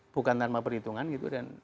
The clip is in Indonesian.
bukan tanpa perhitungan gitu dan